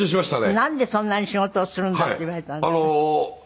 なんでそんなに仕事をするんだって言われたんだって？